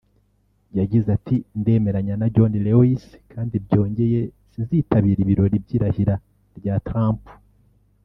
yagize ati “Ndemeranya na John Lewis kandi byongeye sinzitabira ibirori by’irahira (rya Trump)